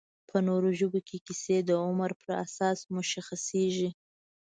په نورو ژبو کې کیسې د عمر په اساس مشخصېږي